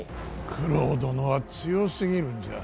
九郎殿は強すぎるんじゃ。